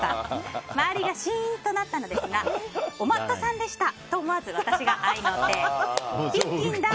周りがしーんとなっていたのがお待っとさんとでしたと思わず私が合いの手。